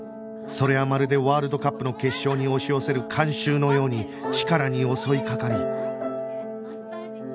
それはまるでワールドカップの決勝に押し寄せる観衆のようにチカラに襲いかかり